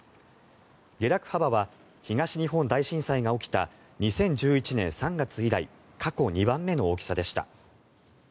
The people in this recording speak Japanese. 下落幅は東日本大震災が起きた２０１１年３月以来過去２番目の大きさでした。